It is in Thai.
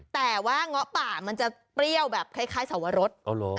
แต่ว่าเงาะป่ามันจะเปรี้ยวแบบคล้ายสวรส